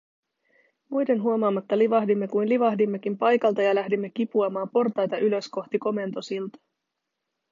Muiden huomaamatta livahdimme kuin livahdimmekin paikalta ja lähdimme kipuamaan portaita ylös kohti komentosiltaa.